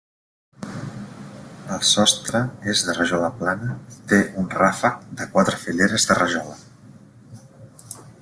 El sostre és de rajola plana i té un ràfec de quatre fileres de rajola.